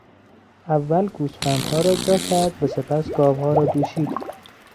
اول گوسفندها را جا کرد و سپس گاوها را دوشید.